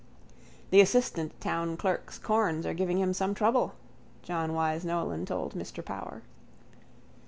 —The assistant town clerk's corns are giving him some trouble, John Wyse Nolan told Mr Power.